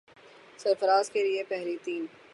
سرفراز کے لیے پہلی تین